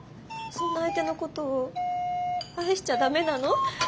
そんな相手のことを愛しちゃ駄目なの？